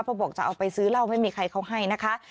เพราะบอกจะเอาไปซื้อเหล้าไม่มีใครเขาให้นะคะ